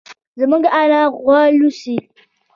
زموږ انا غوا لوسي.